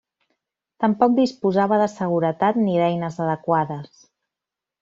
Tampoc disposava de seguretat ni d'eines adequades.